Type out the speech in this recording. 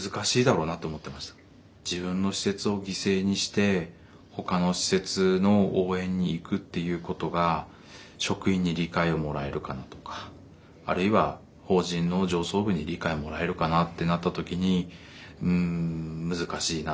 自分の施設を犠牲にしてほかの施設の応援に行くっていうことが職員に理解をもらえるかなとかあるいは法人の上層部に理解もらえるかなってなった時にうん難しいな。